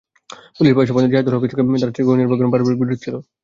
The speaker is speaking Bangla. পুলিশের ভাষ্যমতে, জাহেদুল হকের সঙ্গে তাঁর স্ত্রী কোহিনূর বেগমের পারিবারিক বিরোধ ছিল।